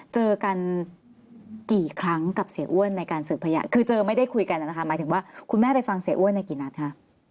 เจอกันกี่ครั้งกับเสียอ้วนในการสืบพยานคือเจอไม่ได้คุยกันนะคะหมายถึงว่าคุณแม่ไปฟังเสียอ้วนในกี่นัดคะ